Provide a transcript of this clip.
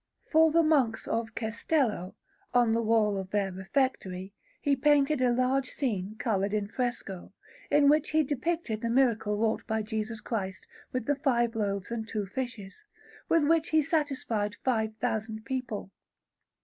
For the Monks of Cestello, on the wall of their refectory, he painted a large scene coloured in fresco, in which he depicted the miracle wrought by Jesus Christ with the five loaves and two fishes, with which he satisfied five thousand people.